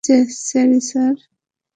Sorry, sir.